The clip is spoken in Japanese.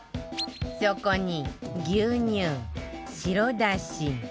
そこに牛乳白だし